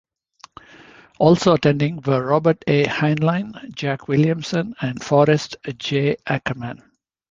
Also attending were Robert A. Heinlein, Jack Williamson, and Forrest J Ackerman.